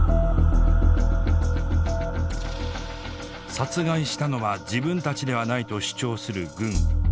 「殺害したのは自分たちではない」と主張する軍。